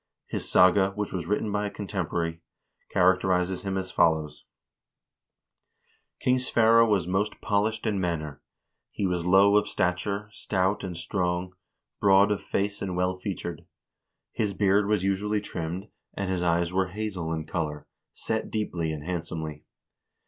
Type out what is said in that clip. His saga, which was written by a contemporary, characterizes him as follows :" King Sverre was most polished in manner. He was low of stature, stout and strong, broad of face and well featured. His beard was usually trimmed, and his eyes were hazel in color, set deeply and handsomely.